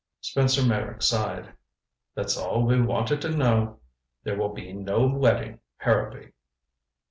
Spencer Meyrick sighed. "That's all we want to know. There will be no wedding, Harrowby."